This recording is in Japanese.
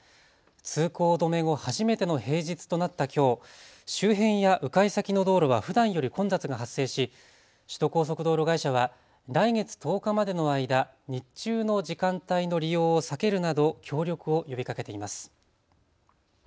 通行止め後、初めての平日となったきょう周辺やう回先の道路はふだんより混雑が発生し首都高速道路会社は来月１０日までの間、日中の時間帯の利用を避けるなど協力を呼びかけています。